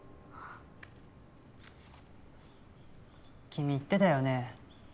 君言ってたよね？